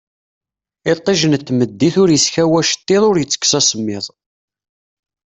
Itij n tmeddit ur iskaw acettiḍ ur itekkes asemmiḍ